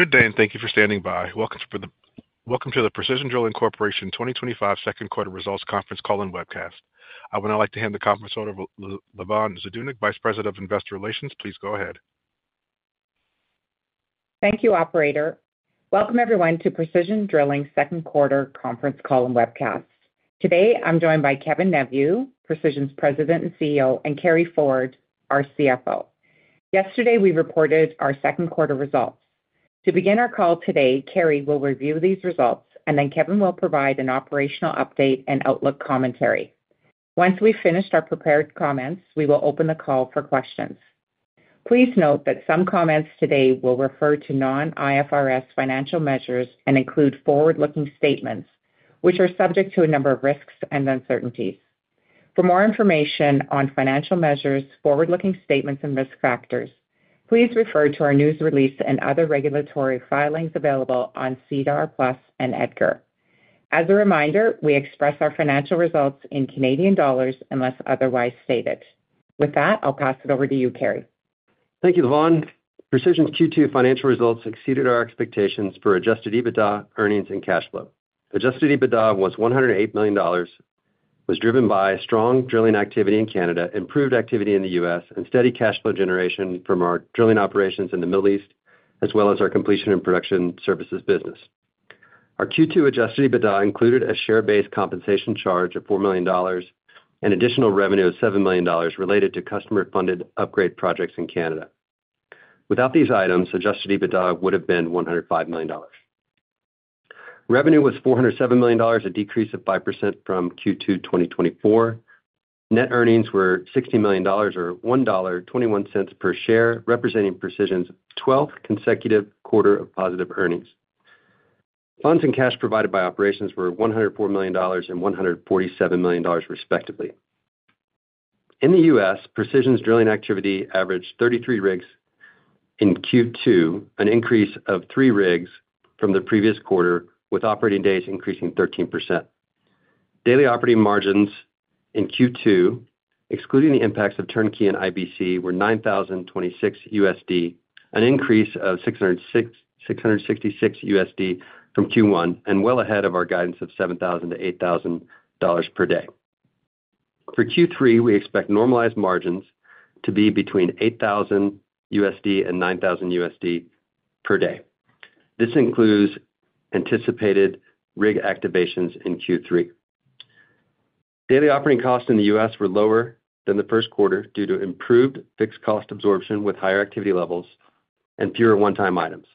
Good day and thank you for standing by. Welcome to the Precision Drilling Corporation 2025 Second Quarter Results Conference Call and Webcast. I would now like to hand the conference floor to Lavonne Zdunich, Vice President of Investor Relations. Please go ahead. Thank you, Operator. Welcome everyone to Precision Drilling Corporation's Second Quarter Conference Call and Webcast. Today, I'm joined by Kevin Neveu, Precision's President and CEO, and Carey Ford, our CFO. Yesterday, we reported our second-quarter results. To begin our call today, Carey will review these results, and then Kevin will provide an operational update and outlook commentary. Once we've finished our prepared comments, we will open the call for questions. Please note that some comments today will refer to non-IFRS financial measures and include forward-looking statements, which are subject to a number of risks and uncertainties. For more information on financial measures, forward-looking statements, and risk factors, please refer to our news release and other regulatory filings available on CDR Plus and EDGAR. As a reminder, we express our financial results in Canadian dollars unless otherwise stated. With that, I'll pass it over to you, Carey. Thank you, Lavonne. Precision's Q2 financial results exceeded our expectations for adjusted EBITDA, earnings, and cash flow. Adjusted EBITDA was $108 million, was driven by strong drilling activity in Canada, improved activity in the U.S., and steady cash flow generation from our drilling operations in the Middle East, as well as our completion and production services business. Our Q2 adjusted EBITDA included a share-based compensation charge of $4 million and additional revenue of $7 million related to customer-funded upgrade projects in Canada. Without these items, adjusted EBITDA would have been $105 million. Revenue was $407 million, a decrease of 5% from Q2 2024. Net earnings were $60 million, or $1.21 per share, representing Precision's 12th consecutive quarter of positive earnings. Funds and cash provided by operations were $104 million and $147 million, respectively. In the U.S., Precision's drilling activity averaged 33 rigs in Q2, an increase of 3 rigs from the previous quarter, with operating days increasing 13%. Daily operating margins in Q2, excluding the impacts of turnkey and IBC, were $9,026 USD, an increase of $666 USD from Q1, and well ahead of our guidance of $7,000-$8,000 per day. For Q3, we expect normalized margins to be between $8,000 and $9,000 per day. This includes anticipated rig activations in Q3. Daily operating costs in the U.S. were lower than the first quarter due to improved fixed cost absorption with higher activity levels and fewer one-time items.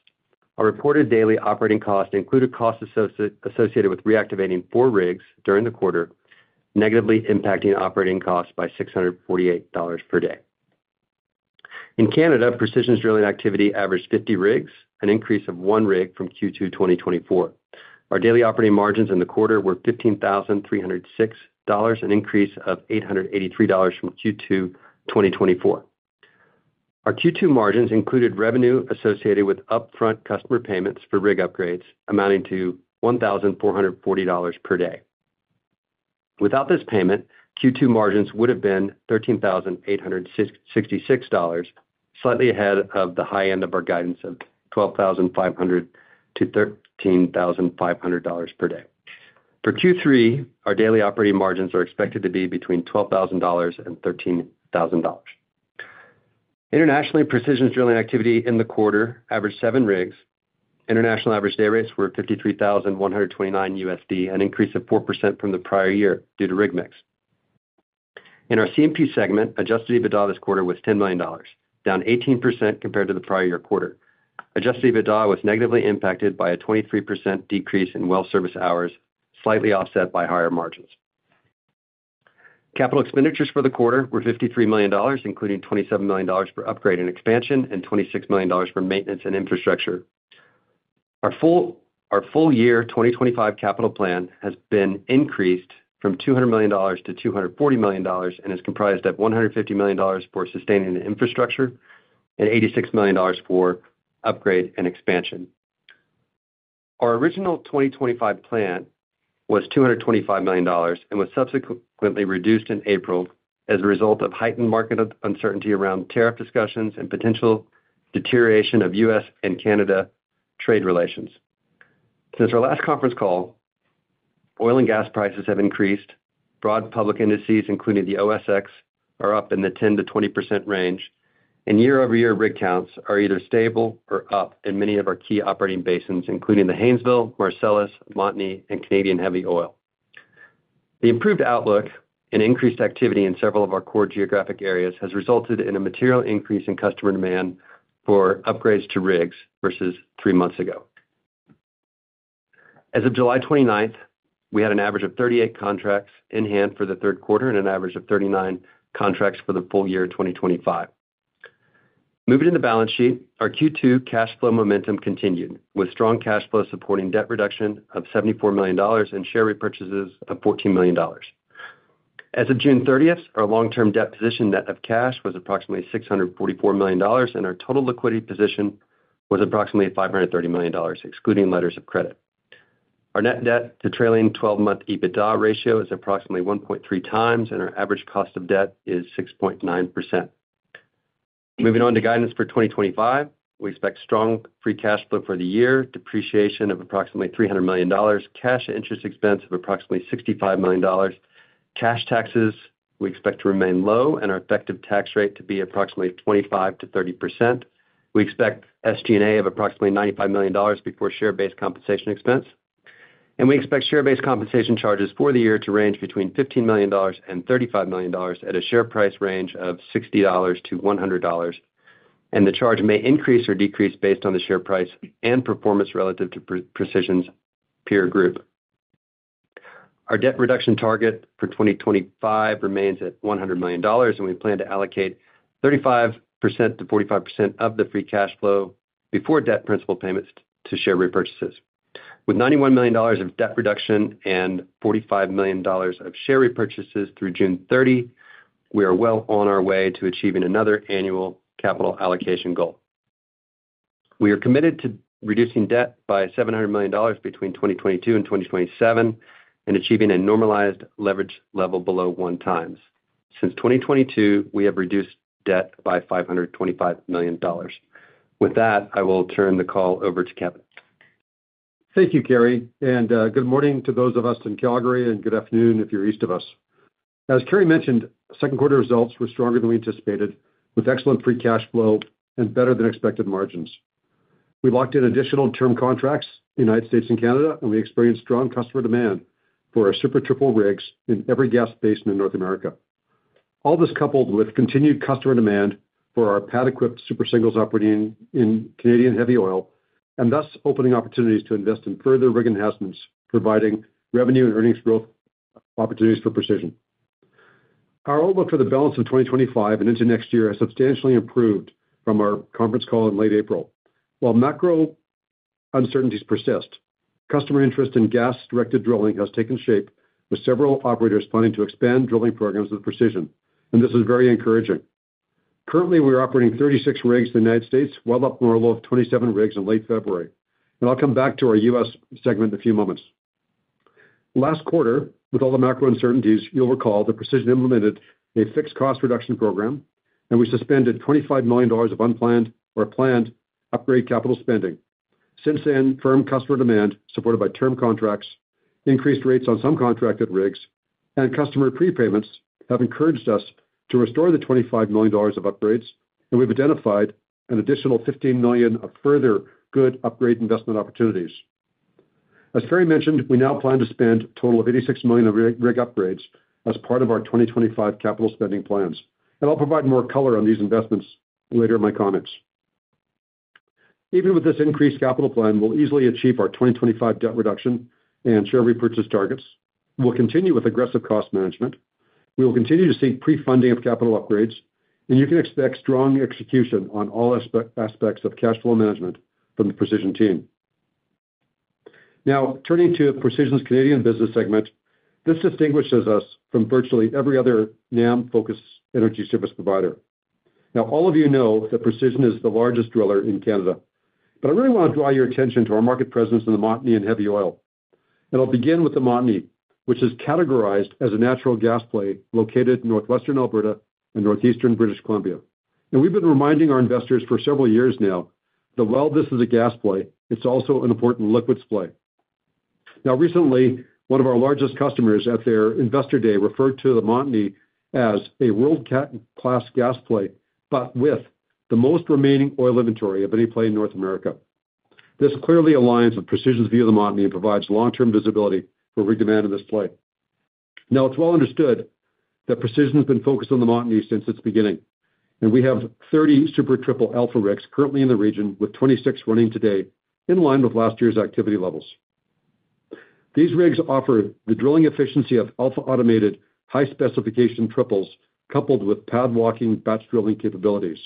Our reported daily operating costs included costs associated with reactivating four rigs during the quarter, negatively impacting operating costs by $648 per day. In Canada, Precision's drilling activity averaged 50 rigs, an increase of one rig from Q2 2024. Our daily operating margins in the quarter were $15,306, an increase of $883 from Q2 2024. Our Q2 margins included revenue associated with upfront customer payments for rig upgrades, amounting to $1,440 per day. Without this payment, Q2 margins would have been $13,866, slightly ahead of the high end of our guidance of $12,500-$13,500 per day. For Q3, our daily operating margins are expected to be between $12,000 and $13,000. Internationally, Precision's drilling activity in the quarter averaged seven rigs. International average day rates were $53,129 USD, an increase of 4% from the prior year due to rig mix. In our CMP segment, adjusted EBITDA this quarter was $10 million, down 18% compared to the prior year quarter. Adjusted EBITDA was negatively impacted by a 23% decrease in well service hours, slightly offset by higher margins. Capital expenditures for the quarter were $53 million, including $27 million for upgrade and expansion and $26 million for maintenance and infrastructure. Our full year 2025 capital plan has been increased from $200 million-$240 million and is comprised of $150 million for sustaining the infrastructure and $86 million for upgrade and expansion. Our original 2025 plan was $225 million and was subsequently reduced in April as a result of heightened market uncertainty around tariff discussions and potential deterioration of U.S. and Canada trade relations. Since our last conference call, oil and gas prices have increased, broad public indices, including the OSX, are up in the 10%-20% range, and year-over-year rig counts are either stable or up in many of our key operating basins, including the Haynesville, Marcellus, Montney, and Canadian Heavy Oil. The improved outlook and increased activity in several of our core geographic areas have resulted in a material increase in customer demand for upgrades to rigs versus three months ago. As of July 29th, we had an average of 38 contracts in hand for the third quarter and an average of 39 contracts for the full year 2025. Moving to the balance sheet, our Q2 cash flow momentum continued with strong cash flow supporting debt reduction of $74 million and share repurchases of $14 million. As of June 30th, our long-term debt position net of cash was approximately $644 million and our total liquidity position was approximately $530 million, excluding letters of credit. Our net debt to trailing 12-month EBITDA ratio is approximately 1.3x and our average cost of debt is 6.9%. Moving on to guidance for 2025, we expect strong free cash flow for the year, depreciation of approximately $300 million, cash interest expense of approximately $65 million, cash taxes we expect to remain low and our effective tax rate to be approximately 25%-30%. We expect SG&A of approximately $95 million before share-based compensation expense. We expect share-based compensation charges for the year to range between $15 million and $35 million at a share price range of $60-$100. The charge may increase or decrease based on the share price and performance relative to Precision's peer group. Our debt reduction target for 2025 remains at $100 million, and we plan to allocate 35%-45% of the free cash flow before debt principal payments to share repurchases. With $91 million of debt reduction and $45 million of share repurchases through June 30, we are well on our way to achieving another annual capital allocation goal. We are committed to reducing debt by $700 million between 2022 and 2027 and achieving a normalized leverage level below one times. Since 2022, we have reduced debt by $525 million. With that, I will turn the call over to Kevin. Thank you, Carey, and good morning to those of us in Calgary and good afternoon if you're East of us. As Carey mentioned, second-quarter results were stronger than we anticipated, with excellent free cash flow and better-than-expected margins. We locked in additional term contracts in the United States and Canada, and we experienced strong customer demand for our Super Triple rigs in every gas basin in North America. All this, coupled with continued customer demand for our pad-equipped Super Single rigs operating in Canadian heavy oil, is opening opportunities to invest in further rig enhancements, providing revenue and earnings growth opportunities for Precision. Our outlook for the balance of 2025 and into next year has substantially improved from our conference call in late April. While macro uncertainties persist, customer interest in gas-directed drilling has taken shape, with several operators planning to expand drilling programs with Precision, and this is very encouraging. Currently, we are operating 36 rigs in the United States, well up from our low of 27 rigs in late February. I'll come back to our U.S. segment in a few moments. Last quarter, with all the macro uncertainties, you'll recall that Precision implemented a fixed cost reduction program, and we suspended $25 million of unplanned or planned upgrade capital spending. Since then, firm customer demand supported by term contracts, increased rates on some contracted rigs, and customer prepayments have encouraged us to restore the $25 million of upgrades, and we've identified an additional $15 million of further good upgrade investment opportunities. As Carey mentioned, we now plan to spend a total of $86 million of rig upgrades as part of our 2025 capital spending plans. I'll provide more color on these investments later in my comments. Even with this increased capital plan, we'll easily achieve our 2025 debt reduction and share repurchase targets. We'll continue with aggressive cost management. We will continue to seek pre-funding of capital upgrades, and you can expect strong execution on all aspects of cash flow management from the Precision team. Now, turning to Precision's Canadian business segment, this distinguishes us from virtually every other NAM-focused energy service provider. All of you know that Precision is the largest driller in Canada, but I really want to draw your attention to our market presence in the Montney and heavy oil. I'll begin with the Montney, which is categorized as a natural gas play located in northwestern Alberta and northeastern British Columbia. We've been reminding our investors for several years now that while this is a gas play, it's also an important liquids play. Recently, one of our largest customers at their Investor Day referred to the Montney as a world-class gas play but with the most remaining oil inventory of any play in North America. This clearly aligns with Precision's view of the Montney and provides long-term visibility for rig demand in this play. It's well understood that Precision has been focused on the Montney since its beginning, and we have 30 Super Triple Alpha rigs currently in the region, with 26 running today in line with last year's activity levels. These rigs offer the drilling efficiency of Alpha automated high-specification triples coupled with pad-walking batch drilling capabilities.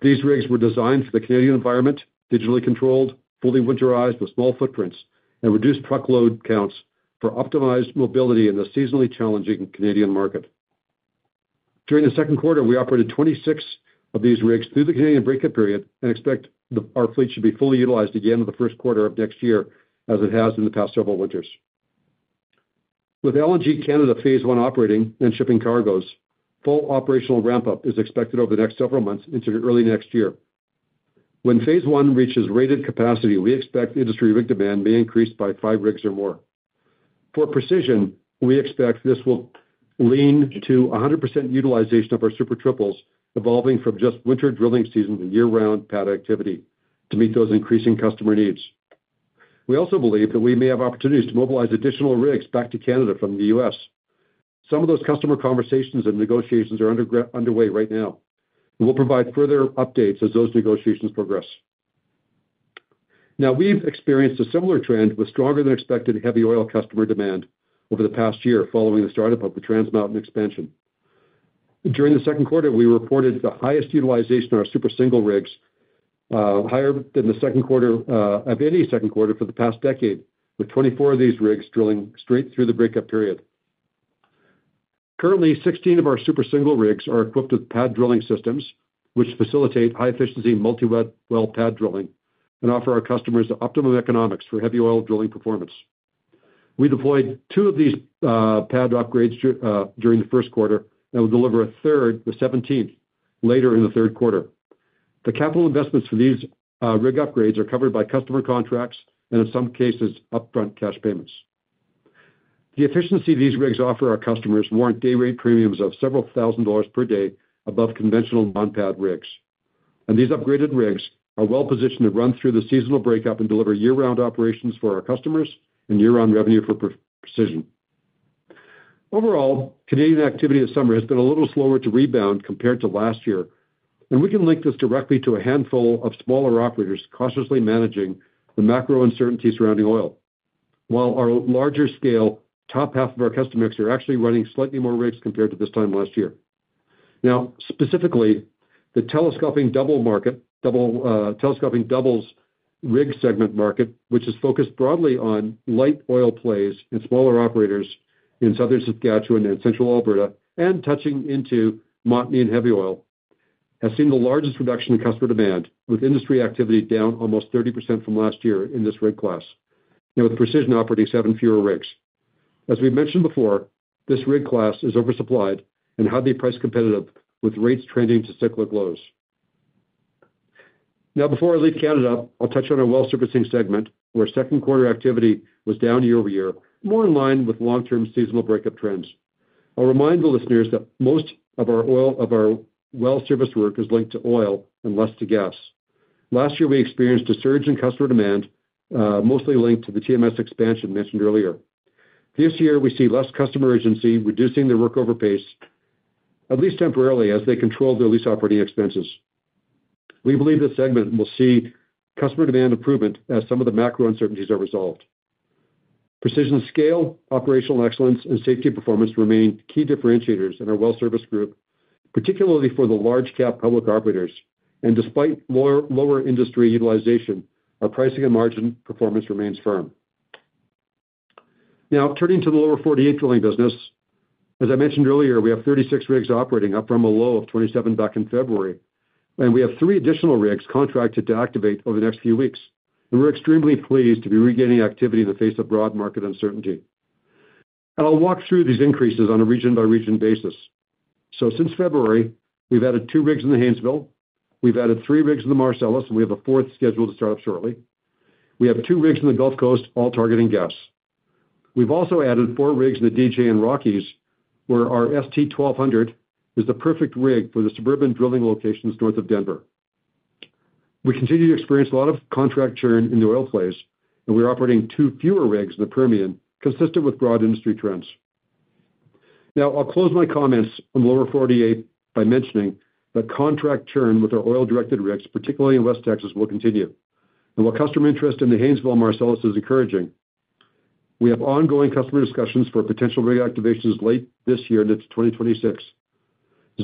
These rigs were designed for the Canadian environment, digitally controlled, fully winterized with small footprints, and reduced truckload counts for optimized mobility in the seasonally challenging Canadian market. During the second quarter, we operated 26 of these rigs through the Canadian breakup period and expect our fleet should be fully utilized again in the first quarter of next year, as it has in the past several winters. With LNG Canada phase I operating and shipping cargo, full operational ramp-up is expected over the next several months into early next year. When phase I reaches rated capacity, we expect industry rig demand may increase by five rigs or more. For Precision, we expect this will lean to 100% utilization of our Super Triples, evolving from just winter drilling season to year-round pad activity to meet those increasing customer needs. We also believe that we may have opportunities to mobilize additional rigs back to Canada from the U.S. Some of those customer conversations and negotiations are underway right now. We'll provide further updates as those negotiations progress. We've experienced a similar trend with stronger-than-expected heavy oil customer demand over the past year following the startup of the Transmountain expansion. During the second quarter, we reported the highest utilization of our Super Single rigs, higher than the second quarter of any second quarter for the past decade, with 24 of these rigs drilling straight through the breakup period. Currently, 16 of our Super Single rigs are equipped with pad drilling systems, which facilitate high-efficiency multi-well pad drilling and offer our customers optimum economics for heavy oil drilling performance. We deployed two of these pad upgrades during the first quarter and will deliver a third, the 17th, later in the third quarter. The capital investments for these rig upgrades are covered by customer contracts and, in some cases, upfront cash payments. The efficiency these rigs offer our customers warrants day rate premiums of several thousand dollars per day above conventional non-pad rigs. These upgraded rigs are well-positioned to run through the seasonal breakup and deliver year-round operations for our customers and year-round revenue for Precision. Overall, Canadian activity this summer has been a little slower to rebound compared to last year, and we can link this directly to a handful of smaller operators cautiously managing the macro uncertainty surrounding oil, while our larger scale, top half of our customers are actually running slightly more rigs compared to this time last year. Specifically, the telescoping double market, double telescoping doubles rig segment market, which is focused broadly on light oil plays and smaller operators in southern Saskatchewan and central Alberta and touching into Montney and heavy oil, has seen the largest reduction in customer demand, with industry activity down almost 30% from last year in this rig class. With Precision operating seven fewer rigs. As we mentioned before, this rig class is oversupplied and highly price competitive with rates trending to cyclic lows. Before I leave Canada, I'll touch on our well servicing segment, where second-quarter activity was down year-over-year, more in line with long-term seasonal breakup trends. I'll remind the listeners that most of our well service work is linked to oil and less to gas. Last year, we experienced a surge in customer demand, mostly linked to the TMS expansion mentioned earlier. This year, we see less customer urgency, reducing their workover pace, at least temporarily, as they control their lease operating expenses. We believe this segment will see customer demand improvement as some of the macro uncertainties are resolved. Precision's scale, operational excellence, and safety performance remain key differentiators in our well service group, particularly for the large-cap public operators. Despite lower industry utilization, our pricing and margin performance remains firm. Now, turning to the Lower 48 drilling business, as I mentioned earlier, we have 36 rigs operating, up from a low of 27 back in February, and we have three additional rigs contracted to activate over the next few weeks. We're extremely pleased to be regaining activity in the face of broad market uncertainty. I'll walk through these increases on a region-by-region basis. Since February, we've added two rigs in the Haynesville, we've added three rigs in the Marcellus, and we have a fourth scheduled to start up shortly. We have two rigs in the Gulf Coast, all targeting gas. We've also added four rigs in the DJ and Rockies, where our ST-1200 is the perfect rig for the suburban drilling locations north of Denver. We continue to experience a lot of contract churn in the oil plays, and we're operating two fewer rigs in the Permian, consistent with broad industry trends. I'll close my comments on the Lower 48 by mentioning that contract churn with our oil-directed rigs, particularly in West Texas, will continue. While customer interest in the Haynesville and Marcellus is encouraging, we have ongoing customer discussions for potential rig activations late this year into 2026. There's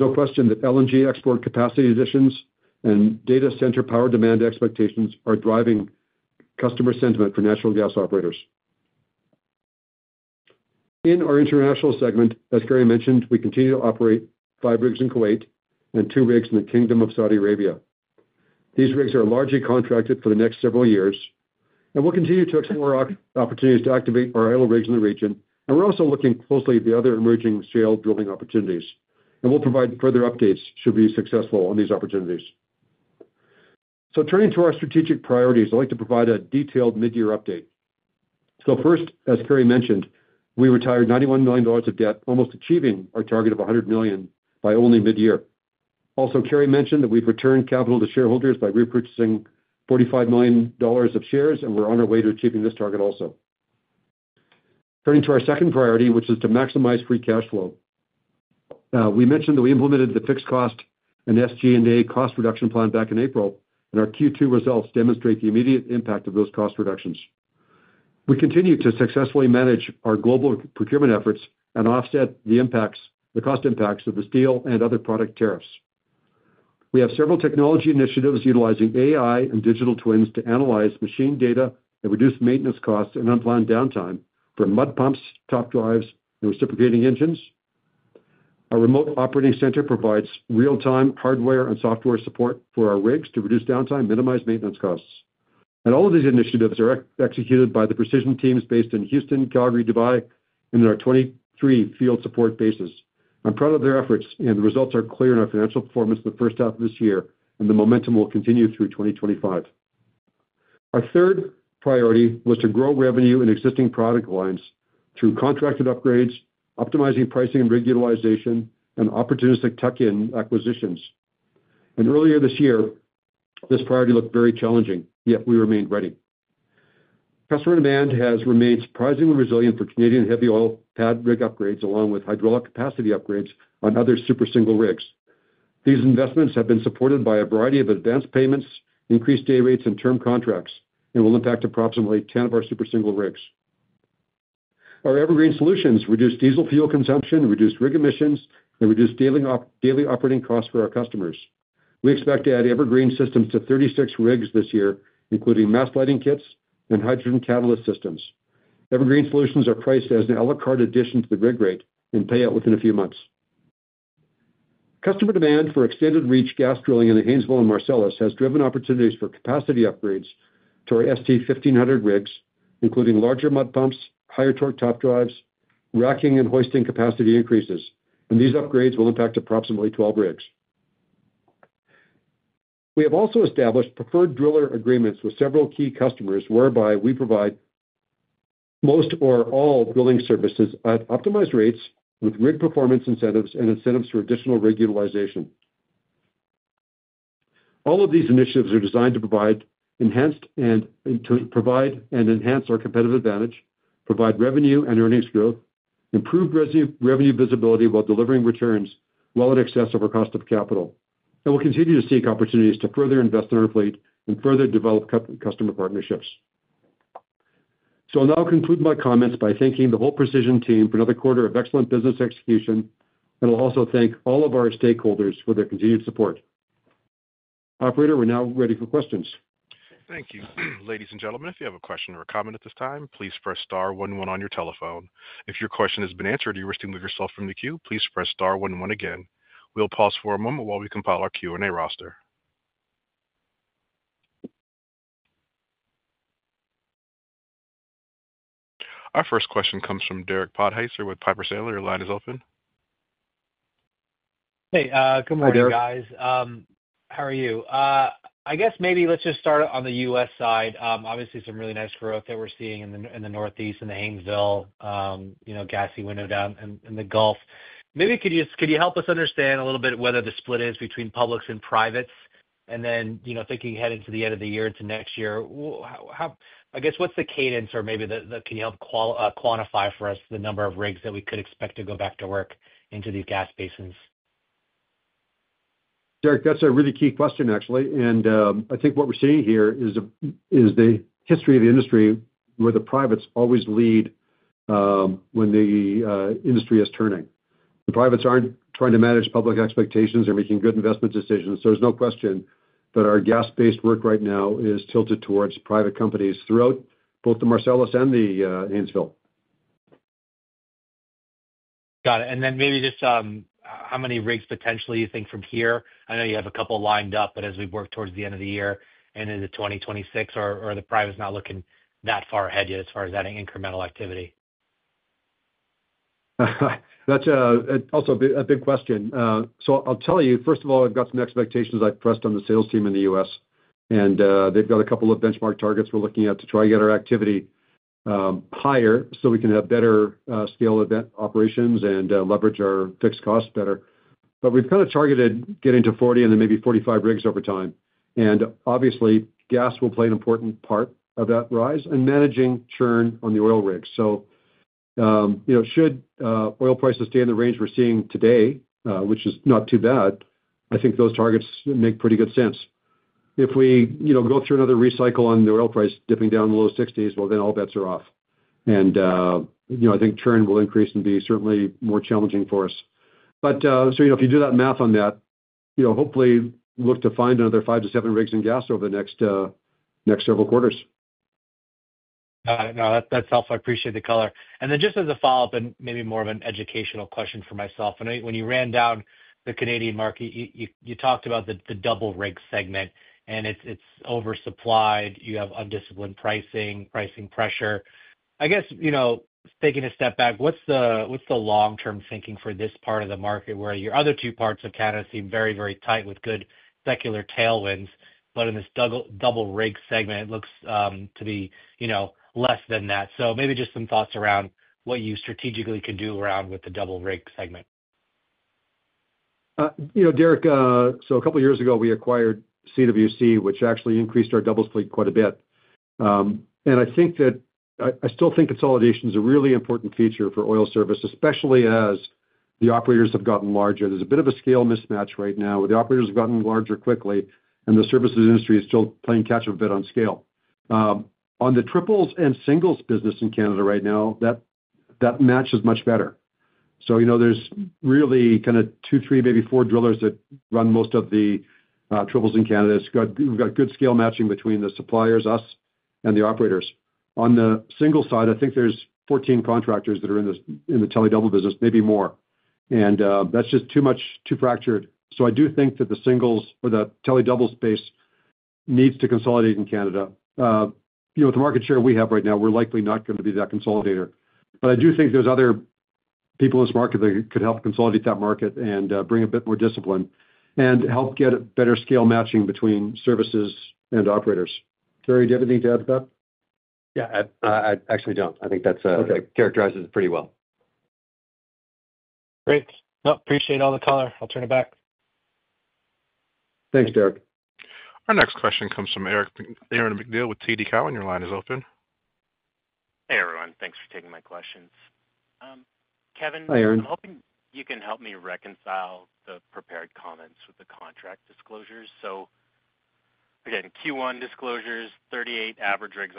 no question that LNG export capacity additions and data center power demand expectations are driving customer sentiment for natural gas operators. In our international segment, as Carey mentioned, we continue to operate five rigs in Kuwait and two rigs in the Kingdom of Saudi Arabia. These rigs are largely contracted for the next several years, and we'll continue to explore opportunities to activate our idle rigs in the region. We're also looking closely at the other emerging shale drilling opportunities, and we'll provide further updates should we be successful in these opportunities. Turning to our strategic priorities, I'd like to provide a detailed mid-year update. First, as Carey mentioned, we retired $91 million of debt, almost achieving our target of $100 million by only mid-year. Also, Carey mentioned that we've returned capital to shareholders by repurchasing $45 million of shares, and we're on our way to achieving this target also. Turning to our second priority, which is to maximize free cash flow, we mentioned that we implemented the fixed cost and SG&A cost reduction plan back in April, and our Q2 results demonstrate the immediate impact of those cost reductions. We continue to successfully manage our global procurement efforts and offset the impacts, the cost impacts of the steel and other product tariffs. We have several technology initiatives utilizing AI and digital twins to analyze machine data and reduce maintenance costs and unplanned downtime for mud pumps, top drives, and reciprocating engines. Our remote operating center provides real-time hardware and software support for our rigs to reduce downtime and minimize maintenance costs. All of these initiatives are executed by the Precision teams based in Houston, Calgary, Dubai, and in our 23 field support bases. I'm proud of their efforts, and the results are clear in our financial performance in the first half of this year, and the momentum will continue through 2025. Our third priority was to grow revenue in existing product lines through contracted upgrades, optimizing pricing and rig utilization, and opportunistic tech-in acquisitions. Earlier this year, this priority looked very challenging, yet we remained ready. Customer demand has remained surprisingly resilient for Canadian heavy oil pad rig upgrades, along with hydraulic capacity upgrades on other Super Single rigs. These investments have been supported by a variety of advanced payments, increased day rates, and term contracts and will impact approximately 10 of our Super Single rigs. Our Evergreen Solutions reduced diesel fuel consumption, reduced rig emissions, and reduced daily operating costs for our customers. We expect to add Evergreen systems to 36 rigs this year, including mass lighting kits and hydrogen catalyst systems. Evergreen Solutions are priced as an a la carte addition to the rig rate and payout within a few months. Customer demand for extended reach gas drilling in the Haynesville and Marcellus has driven opportunities for capacity upgrades to our ST-1500 rigs, including larger mud pumps, higher torque top drives, racking, and hoisting capacity increases. These upgrades will impact approximately 12 rigs. We have also established preferred driller agreements with several key customers whereby we provide most or all drilling services at optimized rates with rig performance incentives and incentives for additional rig utilization. All of these initiatives are designed to provide and enhance our competitive advantage, provide revenue and earnings growth, improve revenue visibility while delivering returns well in excess of our cost of capital. We will continue to seek opportunities to further invest in our fleet and further develop customer partnerships. I will now conclude my comments by thanking the whole Precision team for another quarter of excellent business execution, and I will also thank all of our stakeholders for their continued support. Operator, we're now ready for questions. Thank you. Ladies and gentlemen, if you have a question or a comment at this time, please press star one one on your telephone. If your question has been answered and you wish to move yourself from the queue, please press star one one again. We'll pause for a moment while we compile our Q&A roster. Our first question comes from Derek Podhaizer with Piper Sandler. Your line is open. Hey, good morning, guys. How are you? I guess maybe let's just start on the U.S. side. Obviously, some really nice growth that we're seeing in the Northeast and the Haynesville, you know, gassy window down in the Gulf. Maybe could you help us understand a little bit whether the split is between publics and privates? You know, thinking heading to the end of the year to next year, I guess what's the cadence or maybe can you help quantify for us the number of rigs that we could expect to go back to work into these gas basins? Derek, that's a really key question, actually. I think what we're seeing here is the history of the industry where the privates always lead when the industry is turning. The privates aren't trying to manage public expectations or making good investment decisions. There's no question that our gas-based work right now is tilted towards private companies throughout both the Marcellus and the Haynesville. Got it. Maybe just how many rigs potentially you think from here? I know you have a couple lined up, but as we work towards the end of the year and into 2026, are the privates not looking that far ahead yet as far as that incremental activity? That's also a big question. I'll tell you, first of all, I've got some expectations I've pressed on the sales team in the U.S., and they've got a couple of benchmark targets we're looking at to try to get our activity higher so we can have better scale operations and leverage our fixed costs better. We've kind of targeted getting to 40 and then maybe 45 rigs over time. Obviously, gas will play an important part of that rise and managing churn on the oil rigs. Should oil prices stay in the range we're seeing today, which is not too bad, I think those targets make pretty good sense. If we go through another recycle on the oil price dipping down in the low $60s, all bets are off. I think churn will increase and be certainly more challenging for us. If you do that math on that, hopefully look to find another five to seven rigs in gas over the next several quarters. Got it. No, that's helpful. I appreciate the color. Just as a follow-up and maybe more of an educational question for myself, when you ran down the Canadian market, you talked about the double rig segment and it's oversupplied. You have undisciplined pricing, pricing pressure. I guess, taking a step back, what's the long-term thinking for this part of the market where your other two parts of Canada seem very, very tight with good secular tailwinds, but in this double rig segment, it looks to be less than that. Maybe just some thoughts around what you strategically could do around with the double rig segment. You know, Derek, a couple of years ago, we acquired CWC, which actually increased our doubles fleet quite a bit. I think that I still think consolidation is a really important feature for oil service, especially as the operators have gotten larger. There's a bit of a scale mismatch right now where the operators have gotten larger quickly and the services industry is still playing catch-up a bit on scale. On the triples and singles business in Canada right now, that match is much better. There are really kind of two, three, maybe four drillers that run most of the triples in Canada. We've got good scale matching between the suppliers, us, and the operators. On the single side, I think there's 14 contractors that are in the tele-double business, maybe more. That's just too much, too fractured. I do think that the singles or the tele-double space needs to consolidate in Canada. With the market share we have right now, we're likely not going to be that consolidator. I do think there's other people in this market that could help consolidate that market and bring a bit more discipline and help get better scale matching between services and operators. Carey, do you have anything to add to that? Yeah, I actually don't. I think that characterizes it pretty well. Great. No, appreciate all the color. I'll turn it back. Thanks, Derek. Our next question comes from Aaron MacNeil with TD Cowen. Your line is open. Hey everyone, thanks for taking my questions. Kevin, I'm hoping you can help me reconcile the prepared comments with the contract disclosures. Q1 disclosures, 38 average rigs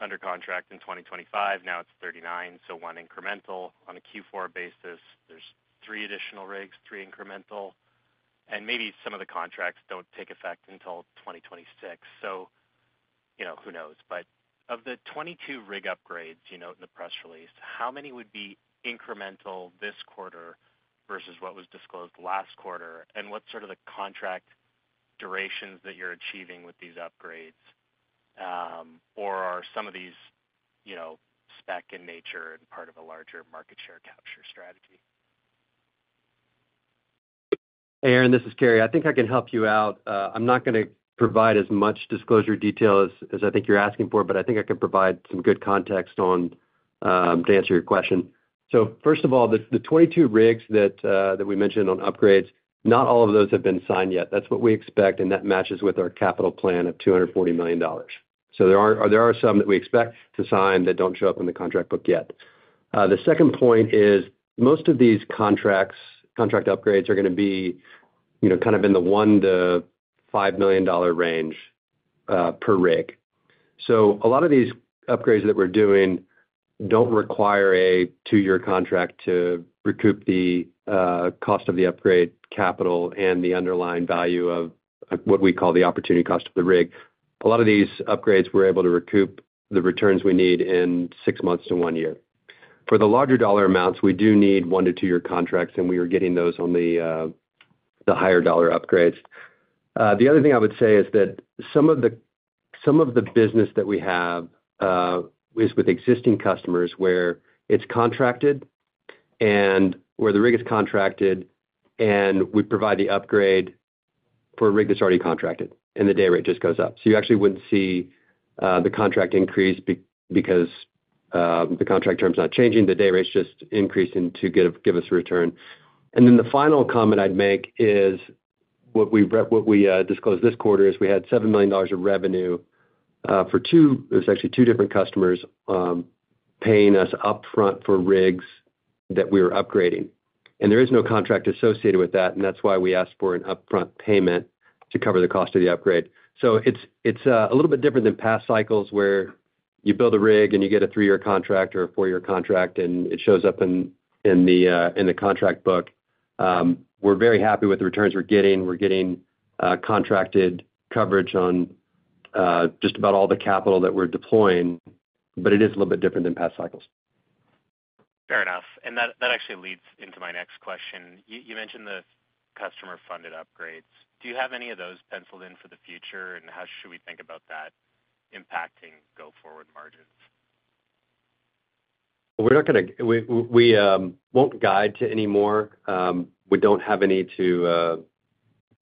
under contract in 2025. Now it's 39, so one incremental. On a Q4 basis, there's three additional rigs, three incremental. Maybe some of the contracts don't take effect until 2026. Who knows? Of the 22 rig upgrades you note in the press release, how many would be incremental this quarter versus what was disclosed last quarter? What's sort of the contract durations that you're achieving with these upgrades? Are some of these spec in nature and part of a larger market share capture strategy? Hey Aaron, this is Carey. I think I can help you out. I'm not going to provide as much disclosure detail as I think you're asking for, but I think I can provide some good context to answer your question. First of all, the 22 rigs that we mentioned on upgrades, not all of those have been signed yet. That's what we expect, and that matches with our capital plan of $240 million. There are some that we expect to sign that don't show up in the contract book yet. The second point is most of these contract upgrades are going to be in the $1-$5 million range per rig. A lot of these upgrades that we're doing don't require a two-year contract to recoup the cost of the upgrade capital and the underlying value of what we call the opportunity cost of the rig. A lot of these upgrades, we're able to recoup the returns we need in six months to one year. For the larger dollar amounts, we do need one to two-year contracts, and we were getting those on the higher dollar upgrades. The other thing I would say is that some of the business that we have is with existing customers where it's contracted and where the rig is contracted, and we provide the upgrade for a rig that's already contracted, and the day rate just goes up. You actually wouldn't see the contract increase because the contract term's not changing. The day rate's just increasing to give us a return. The final comment I'd make is what we disclosed this quarter is we had $7 million of revenue for two, it was actually two different customers paying us upfront for rigs that we were upgrading. There is no contract associated with that, and that's why we asked for an upfront payment to cover the cost of the upgrade. It's a little bit different than past cycles where you build a rig and you get a three-year contract or a four-year contract, and it shows up in the contract book. We're very happy with the returns we're getting. We're getting contracted coverage on just about all the capital that we're deploying, but it is a little bit different than past cycles. Fair enough. That actually leads into my next question. You mentioned the customer-funded upgrades. Do you have any of those penciled in for the future, and how should we think about that impacting go-forward margins? We do not guide to any more. We do not have any to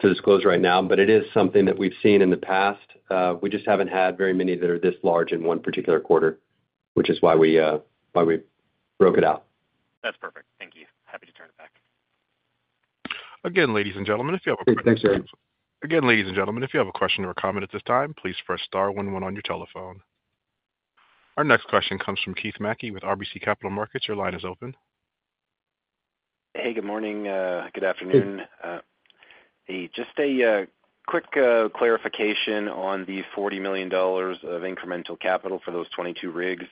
disclose right now, but it is something that we have seen in the past. We just have not had very many that are this large in one particular quarter, which is why we broke it out. That's perfect. Thank you. Happy to turn it back. Ladies and gentlemen, if you have a question or a comment at this time, please press star one one on your telephone. Our next question comes from Keith MacKey with RBC Capital Markets. Your line is open. Hey, good morning. Good afternoon. Just a quick clarification on the $40 million of incremental capital for those 22 rigs.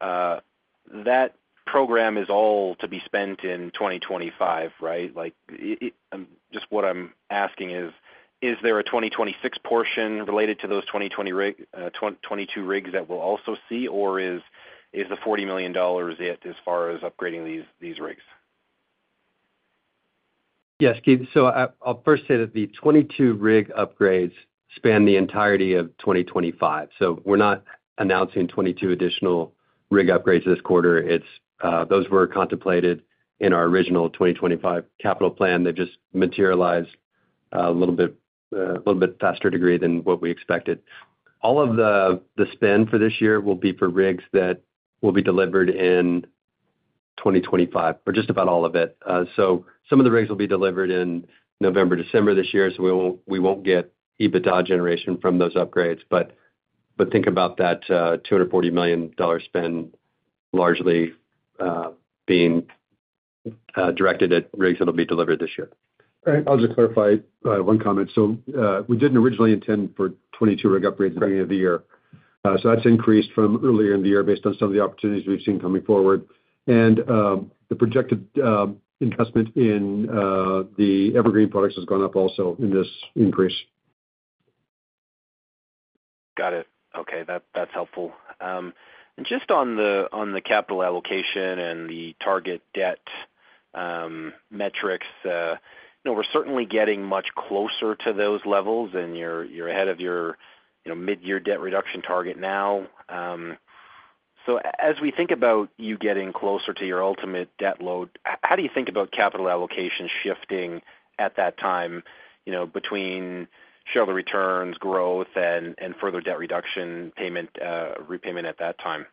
That program is all to be spent in 2025, right? What I'm asking is, is there a 2026 portion related to those 22 rigs that we'll also see, or is the $40 million it as far as upgrading these rigs? Yes, Keith. I'll first say that the 22 rig upgrades span the entirety of 2025. We're not announcing 22 additional rig upgrades this quarter. Those were contemplated in our original 2025 capital plan. They just materialized a little bit faster degree than what we expected. All of the spend for this year will be for rigs that will be delivered in 2025, or just about all of it. Some of the rigs will be delivered in November, December this year. We won't get EBITDA generation from those upgrades. Think about that $240 million spend largely being directed at rigs that will be delivered this year. All right, I'll just clarify one comment. We didn't originally intend for 22 rig upgrades at the beginning of the year. That's increased from earlier in the year based on some of the opportunities we've seen coming forward, and the projected investment in the Evergreen products has gone up also in this increase. Okay, that's helpful. Just on the capital allocation and the target debt metrics, we're certainly getting much closer to those levels, and you're ahead of your mid-year debt reduction target now. As we think about you getting closer to your ultimate debt load, how do you think about capital allocation shifting at that time, between shareholder returns, growth, and further debt reduction repayment at that time?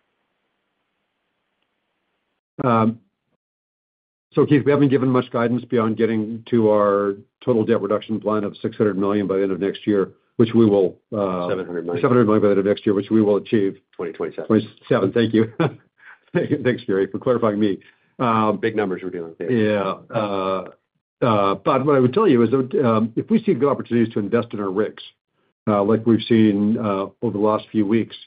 Keith, we haven't given much guidance beyond getting to our total debt reduction plan of $600 million by the end of next year, which we will. $700 million. $700 million by the end of next year, which we will achieve. 2027. 27, thank you. Thanks, Carey, for clarifying me. Big numbers we're dealing with here. Yeah. What I would tell you is that if we see good opportunities to invest in our rigs, like we've seen over the last few weeks,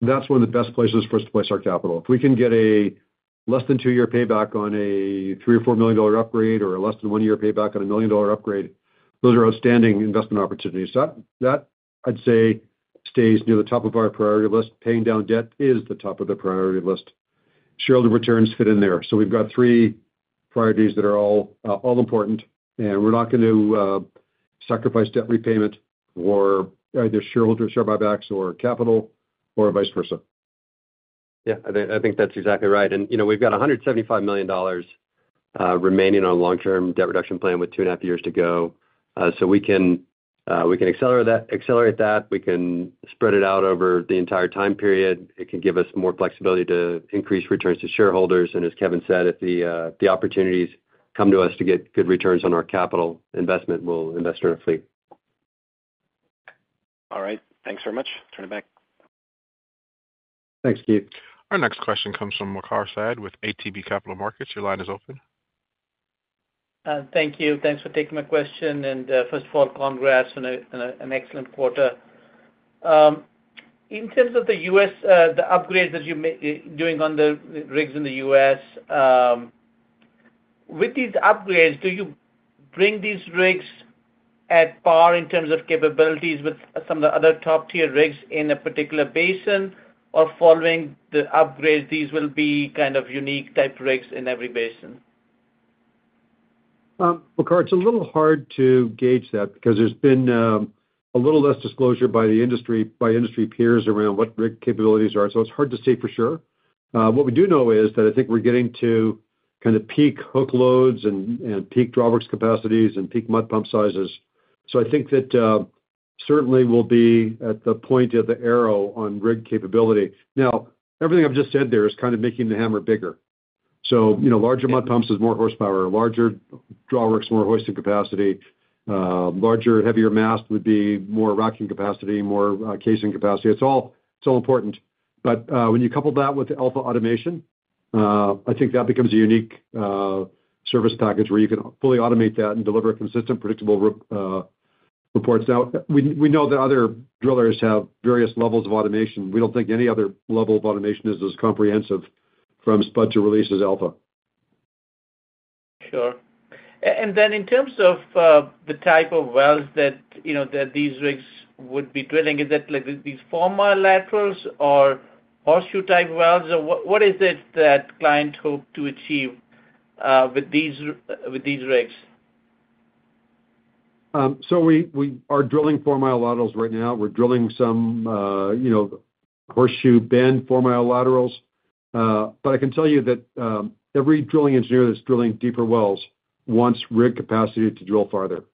that's one of the best places for us to place our capital. If we can get a less than two-year payback on a $3 million or $4 million upgrade or a less than one-year payback on a $1 million upgrade, those are outstanding investment opportunities. That, I'd say, stays near the top of our priority list. Paying down debt is the top of the priority list. Shareholder returns fit in there. We've got three priorities that are all important, and we're not going to sacrifice debt repayment or either shareholder share buybacks or capital or vice versa. Yeah, I think that's exactly right. We've got $175 million remaining on a long-term debt reduction plan with two and a half years to go. We can accelerate that, or we can spread it out over the entire time period. It can give us more flexibility to increase returns to shareholders. As Kevin said, if the opportunities come to us to get good returns on our capital investment, we'll invest in our fleet. All right, thanks very much. Turning it back. Thanks, Keith. Our next question comes from Makhar Syed with ATB Capital Markets. Your line is open. Thank you. Thanks for taking my question. First of all, congrats on an excellent quarter. In terms of the upgrades that you're doing on the rigs in the U.S., with these upgrades, do you bring these rigs at par in terms of capabilities with some of the other top-tier rigs in a particular basin? Following the upgrades, will these be kind of unique type rigs in every basin? Waqar, it's a little hard to gauge that because there's been a little less disclosure by the industry, by industry peers around what rig capabilities are. It's hard to say for sure. What we do know is that I think we're getting to kind of peak hook loads and peak drawworks capacities and peak mud pump sizes. I think that certainly we'll be at the point of the arrow on rig capability. Everything I've just said there is kind of making the hammer bigger. Larger mud pumps is more horsepower, larger drawworks, more hoisting capacity, larger and heavier mast would be more racking capacity, more casing capacity. It's all important. When you couple that with Alpha automation, I think that becomes a unique service package where you can fully automate that and deliver consistent, predictable reports. We know that other drillers have various levels of automation. We don't think any other level of automation is as comprehensive from spud to release as Alpha. In terms of the type of valves that these rigs would be drilling, is that like these formal laterals or horseshoe type valves? What is it that clients hope to achieve with these rigs? We are drilling four-mile laterals right now. We're drilling some, you know, horseshoe band four-mile laterals. I can tell you that every drilling engineer that's drilling deeper wells wants rig capacity to drill farther.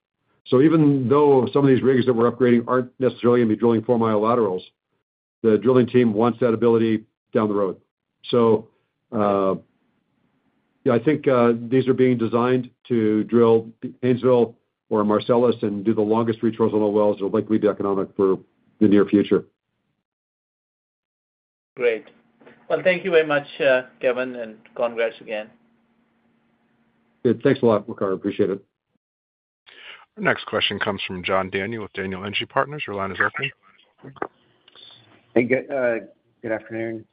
Even though some of these rigs that we're upgrading aren't necessarily going to be drilling four-mile laterals, the drilling team wants that ability down the road. I think these are being designed to drill the Haynesville or Marcellus and do the longest reach horizontal wells that will likely be economic for the near future. Great. Thank you very much, Kevin, and congrats again. Thanks a lot, Waqar. Appreciate it. Our next question comes from John Daniel with Daniel Energy Partners. Your line is open. Hey, good afternoon.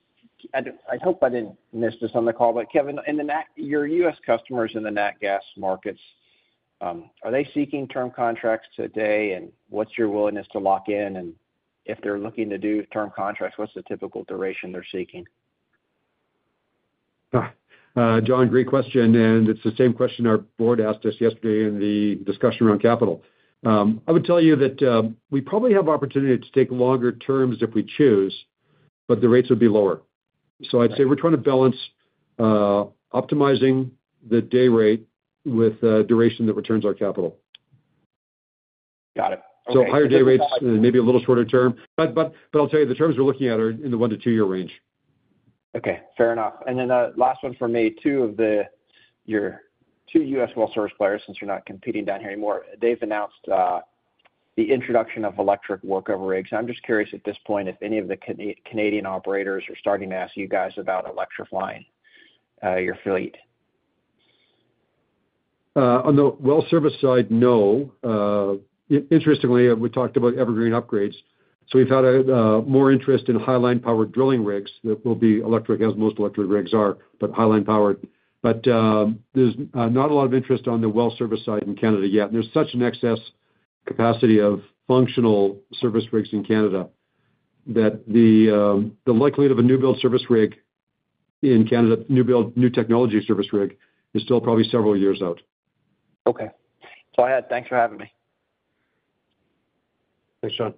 I hope I didn't miss this on the call, but Kevin, in the U.S., customers in the nat gas markets, are they seeking term contracts today? What's your willingness to lock in? If they're looking to do term contracts, what's the typical duration they're seeking? John, great question. It's the same question our board asked us yesterday in the discussion around capital. I would tell you that we probably have opportunity to take longer terms if we choose, but the rates would be lower. I'd say we're trying to balance optimizing the day rate with the duration that returns our capital. Got it. Higher day rates and maybe a little shorter term. The terms we're looking at are in the one to two-year range. Okay, fair enough. The last one for me, two of your two U.S. well service players, since you're not competing down here anymore, they've announced the introduction of electric workover rigs. I'm just curious at this point if any of the Canadian operators are starting to ask you guys about electrifying your fleet. On the well service side, no. Interestingly, we talked about Evergreen upgrades. We've had more interest in high-line powered drilling rigs that will be electric, as most electric rigs are, but high-line powered. There's not a lot of interest on the well service side in Canada yet. There's such an excess capacity of functional service rigs in Canada that the likelihood of a new build service rig in Canada, new build, new technology service rig is still probably several years out. Okay, thanks for having me. Thanks, John.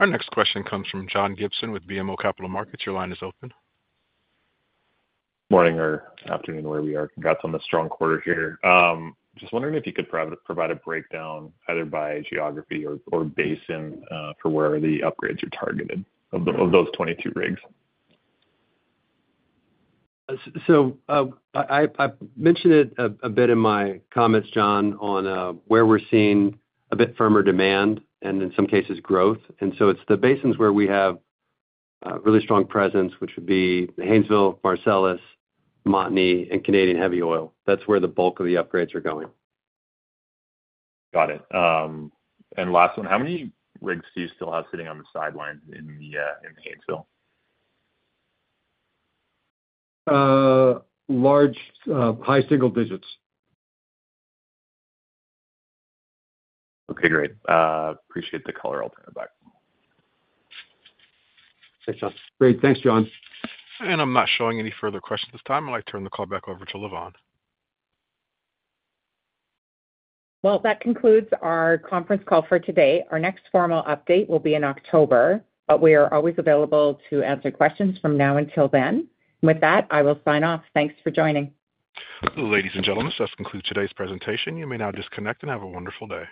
Our next question comes from John Gibson with BMO Capital Markets. Your line is open. Morning or afternoon where we are. Congrats on the strong quarter here. Just wondering if you could provide a breakdown either by geography or basin for where the upgrades are targeted of those 22 rigs. I mentioned it a bit in my comments, John, on where we're seeing a bit firmer demand and in some cases growth. It's the basins where we have a really strong presence, which would be the Haynesville, Marcellus, Montney, and Canadian Heavy Oil. That's where the bulk of the upgrades are going. Got it. Last one, how many rigs do you still have sitting on the sidelines in the Haynesville? Large, high single digits. Okay, great. Appreciate the color. I'll turn it back. Thanks, John. Great. Thanks, John. I'm not showing any further questions at this time. I'd like to turn the call back over to Lavonne. That concludes our conference call for today. Our next formal update will be in October, but we are always available to answer questions from now until then. With that, I will sign off. Thanks for joining. Ladies and gentlemen, this does conclude today's presentation. You may now disconnect and have a wonderful day.